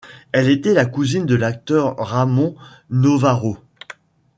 Elle était la cousine de l'acteur Ramón Novarro.